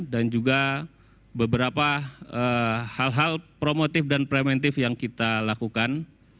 dan juga beberapa hal hal promotif dan preventif yang kita lakukan